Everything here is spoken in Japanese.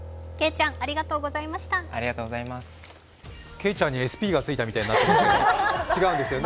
けいちゃんにＳＰがついたみたいになってるけど違うんですよね。